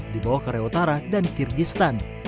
di bawah korea utara dan kyrgyzstan